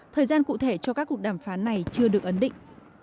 thời gian cụ thể cho các cuộc đàm phán này chưa được ấn định